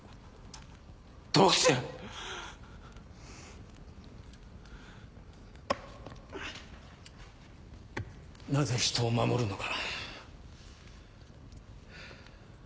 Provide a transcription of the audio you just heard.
どうして⁉なぜ人を守るのか。